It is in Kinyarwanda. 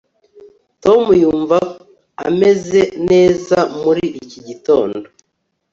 tom yumva ameze neza muri iki gitondo